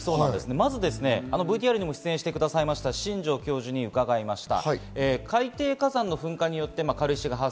まずＶＴＲにも出演してくださいました、新城教授に伺いました。